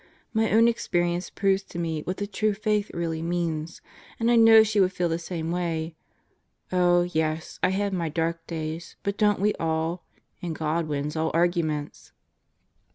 My own experience proves to me what the true Faith really means, and I know she would feel the same way. Oh, yes, I have my dark days; but don't we all? And God wins all arguments!